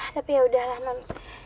tapi yaudahlah non